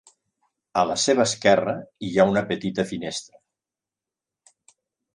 A la seva esquerra hi ha una petita finestra.